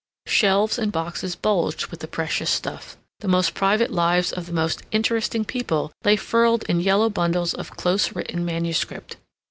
Shelves and boxes bulged with the precious stuff. The most private lives of the most interesting people lay furled in yellow bundles of close written manuscript.